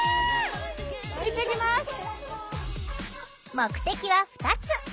目的は２つ！